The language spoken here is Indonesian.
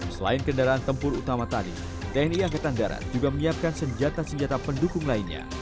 selain kendaraan tempur utama tadi tni angkatan darat juga menyiapkan senjata senjata pendukung lainnya